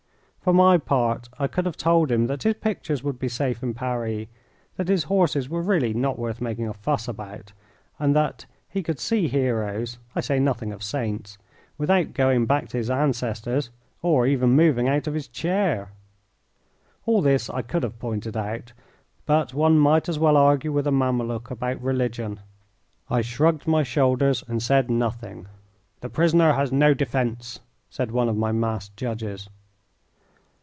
For my part I could have told him that his pictures would be safe in Paris, that his horses were really not worth making a fuss about, and that he could see heroes I say nothing of saints without going back to his ancestors or even moving out of his chair. All this I could have pointed out, but one might as well argue with a Mameluke about religion. I shrugged my shoulders and said nothing. "The prisoner has no defence," said one of my masked judges.